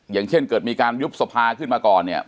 อย่างเช่นเกิดมีการยุบสภาขึ้นมาก่อนเนี่ย